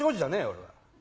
俺は。